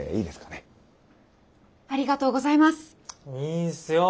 いいんすよ。